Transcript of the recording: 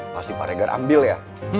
pasti pak regar ambil ya